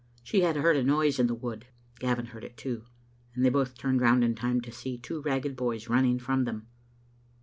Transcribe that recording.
She had heard a noise in the wood, Gavin heard it too, and they both turned round in time to see two ragged boys running from them.